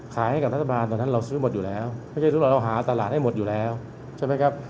ขายให้กับรัฐบาลตอนนั้นเราซื้อหมดอยู่แล้วไม่ใช่ซื้อเราหาตลาดให้หมดอยู่แล้วใช่ไหมครับ